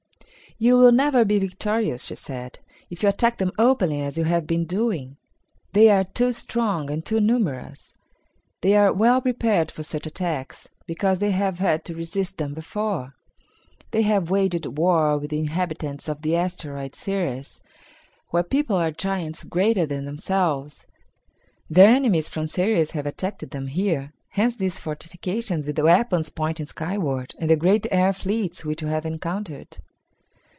"You will never be victorious," she said, "if you attack them openly as you have been doing. They are too strong and too numerous. They are well prepared for such attacks, because they have had to resist them before." "They have waged war with the inhabitants of the asteroid Ceres, whose people are giants greater than themselves. Their enemies from Ceres have attacked them here. Hence these fortifications, with weapons pointing skyward, and the great air fleets which you have encountered."